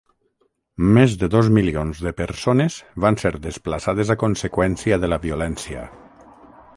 Més de dos milions de persones van ser desplaçades a conseqüència de la violència.